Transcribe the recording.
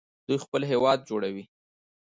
دوی خپل هیواد جوړوي.